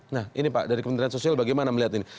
nah ini pak dari kementerian sosial bagaimana melihat ini